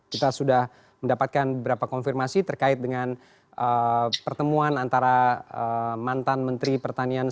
kita sudah mendapatkan beberapa konfirmasi terkait dengan pertemuan antara mantan menteri pertanian